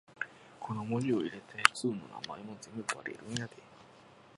ロリロリローリロリ